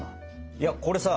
いやこれさ